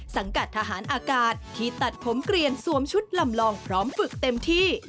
สังกัดทหารอากาศที่ตัดผมเกลียนสวมชุดลำลองพร้อมฝึกเต็มที่